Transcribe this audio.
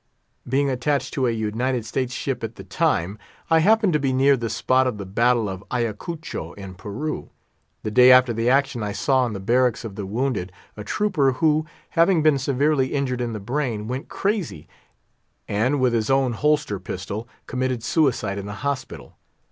Being attached to a United States ship at the time, I happened to be near the spot of the battle of Ayacucho, in Peru. The day after the action, I saw in the barracks of the wounded a trooper, who, having been severely injured in the brain, went crazy, and, with his own holster pistol, committed suicide in the hospital.